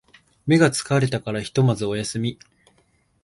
目が疲れたからひとまずお休み